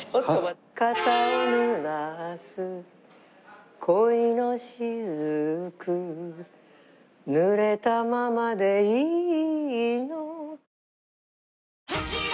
「肩をぬらす恋のしずく」「濡れたままでいいの」